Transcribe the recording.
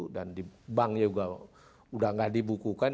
dan di banknya juga sudah tidak dibukukan